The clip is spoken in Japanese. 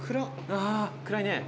あ暗いねえ。